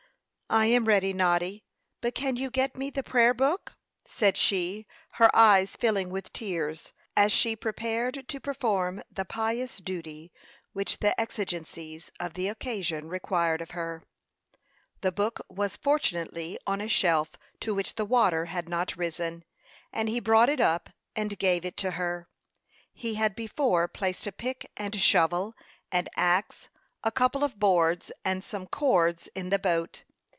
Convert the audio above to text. "I am ready, Noddy; but can you get me the prayer book?" said she, her eyes filling with tears, as she prepared to perform the pious duty which the exigencies of the occasion required of her. The book was fortunately on a shelf to which the water had not risen, and he brought it up and gave it to her. He had before placed a pick and shovel, an axe, a couple of boards and some cords in the boat.